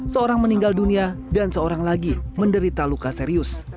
seorang meninggal dunia dan seorang lagi menderita luka serius